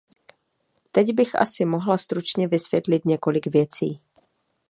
Teď bych asi mohla stručně vysvětlit několik věcí.